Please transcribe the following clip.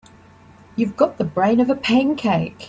You've got the brain of a pancake.